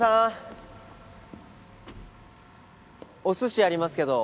おすしありますけど。